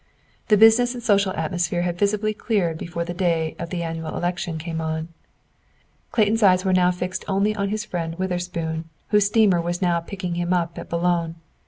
The business and social atmosphere had visibly cleared before the day of the annual election came on. Clayton's eyes were now fixed only on his friend Witherspoon, whose steamer was now picking him up at Boulogne.